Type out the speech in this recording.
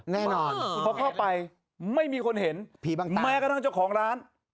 แน่นอนพอเข้าไปไม่มีคนเห็นแม้กระทั่งเจ้าของร้าน